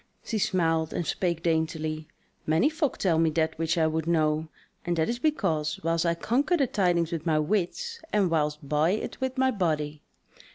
She smiled and spake daintily: "Many folk tell me that which I would know; and that is because whiles I conquer the tidings with my wits, and whiles buy it with my body.